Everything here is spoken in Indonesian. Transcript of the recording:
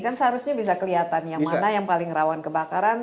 kan seharusnya bisa kelihatan yang mana yang paling rawan kebakaran